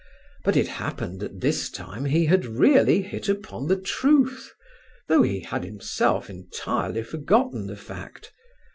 But it happened that this time he had really hit upon the truth, though he had himself entirely forgotten the fact.